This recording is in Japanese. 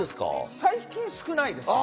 最近少ないです。